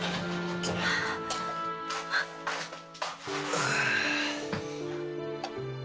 ああ。